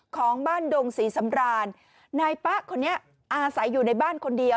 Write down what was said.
ของบ้านดงศรีสำรานนายป๊ะคนนี้อาศัยอยู่ในบ้านคนเดียว